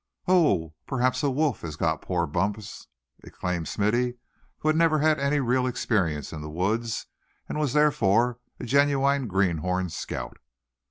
"Oh! perhaps a wolf has got poor Bumpus!" exclaimed Smithy, who had never had any real experience in the woods, and was therefore a genuine "greenhorn" scout.